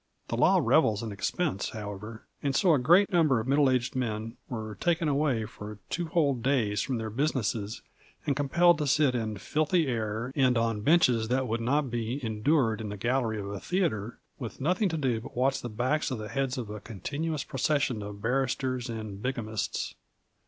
The law revels in expense, however and so a great number of middle aged men were taken away for two whole days from their businesses and compelled to sit in filthy air and on benches that would not be endured in the gallery of a theatre, with nothing to do but watch the backs of the heads of a continuous procession of barristers and bigamists.